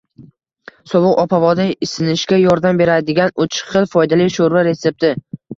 Sovuq ob-havoda isinishga yordam beradiganuchxil foydali sho‘rva retsepti